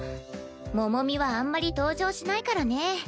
モモミはあんまり登場しないからね。